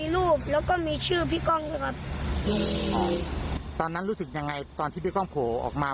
รูปแล้วก็มีชื่อพี่ก้องด้วยครับตอนนั้นรู้สึกยังไงตอนที่พี่ก้องโผล่ออกมา